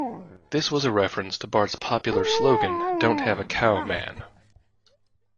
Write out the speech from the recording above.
This was a reference to Bart's popular slogan Don't have a cow, man!